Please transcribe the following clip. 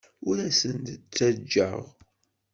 Ur asen-d-ttajjaɣ.